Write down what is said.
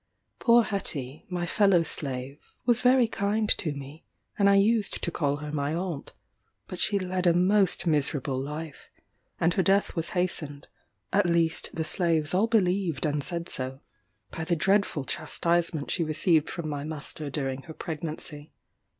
Poor Hetty, my fellow slave, was very kind to me, and I used to call her my Aunt; but she led a most miserable life, and her death was hastened (at least the slaves all believed and said so,) by the dreadful chastisement she received from my master during her pregnancy.